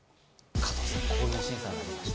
加藤さん、こういう審査になりました。